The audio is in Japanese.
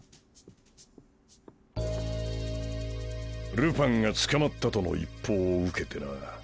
ルパンが捕まったとの一報を受けてな。